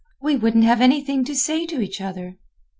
We wouldn't have anything to say to each other."